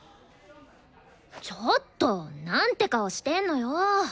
ちょっとなんて顔してんのよ。